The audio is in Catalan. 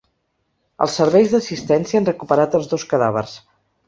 Els serveis d’assistència han recuperat els dos cadàvers.